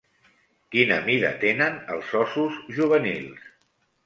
Quina mida tenen els ossos juvenils?